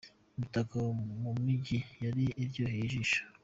Imitako mu Mujyi yari iryoheye ijisho.